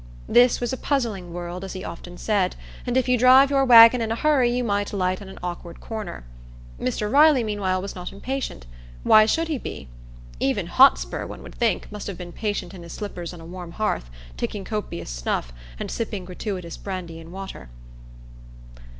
This was a puzzling world, as he often said, and if you drive your wagon in a hurry, you may light on an awkward corner. Mr Riley, meanwhile, was not impatient. Why should he be? Even Hotspur, one would think, must have been patient in his slippers on a warm hearth, taking copious snuff, and sipping gratuitous brandy and water.